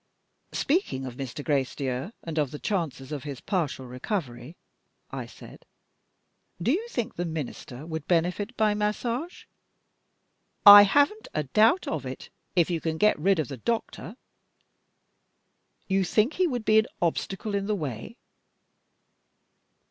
"Speaking of Mr. Gracedieu, and of the chances of his partial recovery," I said, "do you think the Minister would benefit by Massage?" "I haven't a doubt of it, if you can get rid of the doctor." "You think he would be an obstacle in the way?"